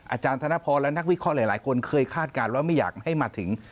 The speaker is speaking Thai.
อาจารย์ธนพรและนักวิเคราะห์หลายคนเคยคาดการณ์ว่าไม่อยากให้มาถึง